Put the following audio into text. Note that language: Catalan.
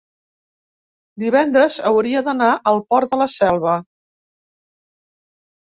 divendres hauria d'anar al Port de la Selva.